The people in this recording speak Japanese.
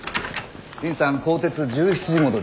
林さん高鐵１７時戻り。